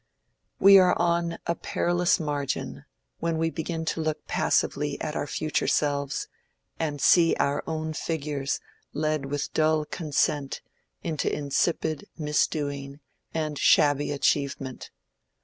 We are on a perilous margin when we begin to look passively at our future selves, and see our own figures led with dull consent into insipid misdoing and shabby achievement.